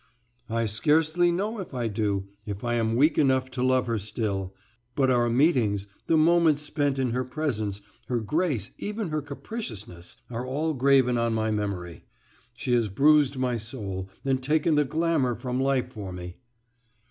"I scarcely know if I do, if I am weak enough to love her still; but our meetings, the moments spent in her presence, her grace, even her capriciousness, all are graven on my memory. She has bruised my soul, and taken the glamour from life for me."